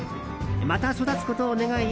また育つことを願い